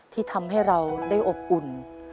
ที่ทำให้เราได้อบอุ่น